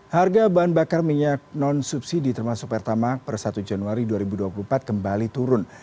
harga bahan bakar minyak non subsidi termasuk pertamak per satu januari dua ribu dua puluh empat kembali turun